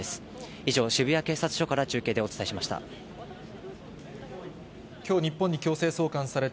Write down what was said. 以上、渋谷警察署から中継でお伝えしました。